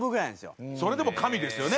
それでも神ですよね。